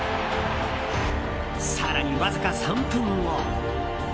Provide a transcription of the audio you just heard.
更に、わずか３分後。